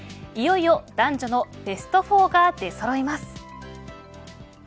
いよいよ男女のベスト４が出そろいます。